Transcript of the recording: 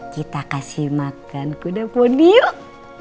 kita kasih makan kuda poni yuk